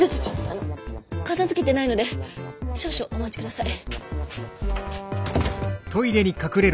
あの片づけてないので少々お待ち下さい。